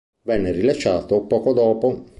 Venne rilasciato poco dopo.